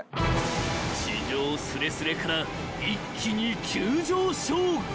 ［地上すれすれから一気に］